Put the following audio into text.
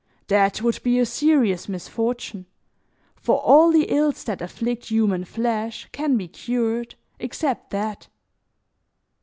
That would be a serious misfortune, for all the ills that afflict human flesh can be cured, except that.